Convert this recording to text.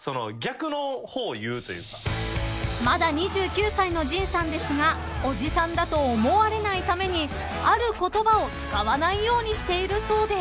［まだ２９歳の陣さんですがおじさんだと思われないためにある言葉を使わないようにしているそうで］